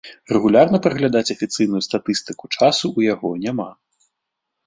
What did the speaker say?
Рэгулярна праглядаць афіцыйную статыстыку часу ў яго няма.